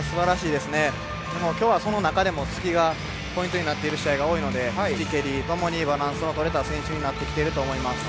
でも、今日はその中でも突きがポイントになっている試合が多いので突き、蹴りともにバランスの取れた選手になっていると思います。